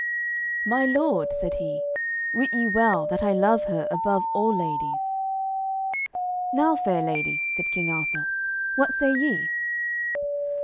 "My lord," said he, "wit ye well that I love her above all ladies." "Now, fair lady," said King Arthur, "what say ye?"